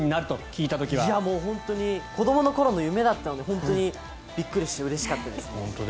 いやもう本当に子どもの頃の夢だったので本当にびっくりしてうれしかったです。